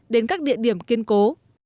đến các địa điểm kiên cố